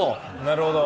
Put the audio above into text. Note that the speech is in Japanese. なるほど。